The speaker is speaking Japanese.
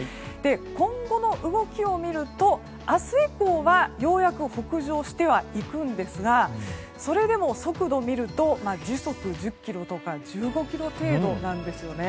今後の動きを見ると明日以降はようやく北上してはいくんですがそれでも速度を見ると時速１０キロとか１５キロ程度なんですね。